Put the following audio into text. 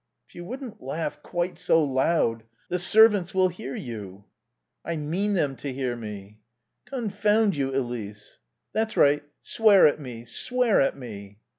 "If you wouldn't laugh quite so loud. The servants will hear you." "I mean them to hear me." "Confound you, Elise!" "That's right, swear at me. Swear at me."